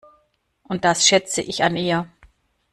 Und das schätze ich an ihr.